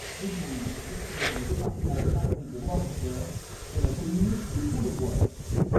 L'église est située dans le département français de Loir-et-Cher, sur la commune de Pontlevoy.